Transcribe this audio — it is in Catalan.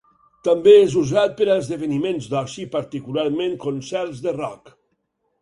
També és usat per a esdeveniments d'oci, particularment concerts de rock.